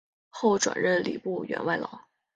后转任礼部员外郎。